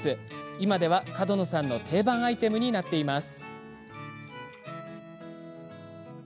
今では角野さんの定番のアイテムになっています。